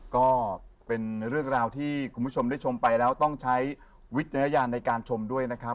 ก็เป็นเรื่องราวที่คุณผู้ชมได้ชมไปแล้วต้องใช้วิจารณญาณในการชมด้วยนะครับ